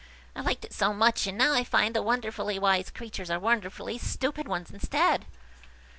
I liked it so much and now I find the wonderfully wise creatures are wonderfully stupid ones instead."